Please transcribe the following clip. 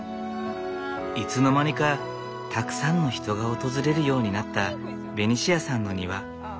いつの間にかたくさんの人が訪れるようになったベニシアさんの庭。